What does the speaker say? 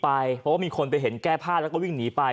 เพราะว่ามีคนไปเห็นแก้ผ้าแล้วก็วิ่งหนีไป